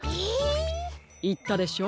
いったでしょう？